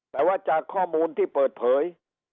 แต่ว่าจากข้อมูลที่เปิดเผย